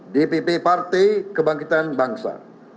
dpp partai kebangkitan bangsa